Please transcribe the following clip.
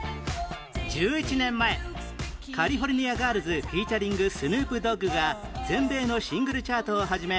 １１年前『カリフォルニア・ガールズ ｆｅａｔ． スヌープ・ドッグ』が全米のシングルチャートを始め